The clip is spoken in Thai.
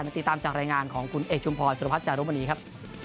ติดตามจากรายงานของคุณเอกชุมพรสุรพัฒนจารุมณีครับ